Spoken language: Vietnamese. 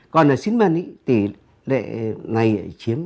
còn ở xín mần tỷ lệ này chiếm